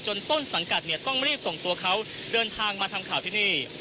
ต้นสังกัดเนี่ยต้องรีบส่งตัวเขาเดินทางมาทำข่าวที่นี่